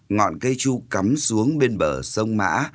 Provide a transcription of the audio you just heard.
ngọn cây chu cắm xuống bên bờ sông mã